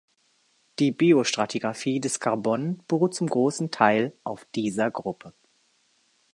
Die Biostratigraphie des Karbon beruht zum großen Teil auf dieser Gruppe.